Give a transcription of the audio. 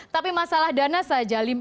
tapi masalah dana saja